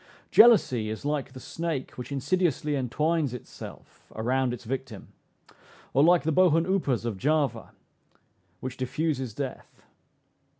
Jealousy is like the snake which insidiously entwines itself around its victim; or like the bohun upas of Java, which diffuses death.